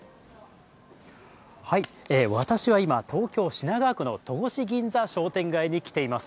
私は今、東京・品川区の戸越銀座商店街に来ています。